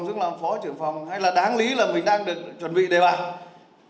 xuống làm phó trưởng phòng hay là đáng lý là mình đang được chuẩn bị đề bản